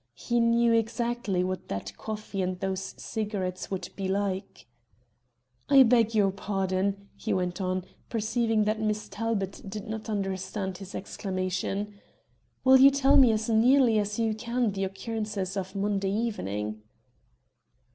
He knew exactly what that coffee and those cigarettes would be like. "I beg your pardon," he went on, perceiving that Miss Talbot did not understand his exclamation. "Will you tell me as nearly as you can the occurrences of Monday evening?"